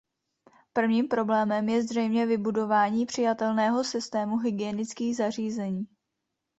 Prvním problémem je zřejmě vybudování přijatelného systému hygienických zařízení.